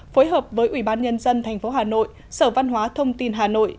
phối hợp với ủy ban nhân dân tp hà nội sở văn hóa thông tin hà nội